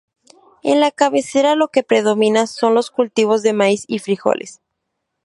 En la cabecera lo que predomina son los cultivos de maíz y frijoles.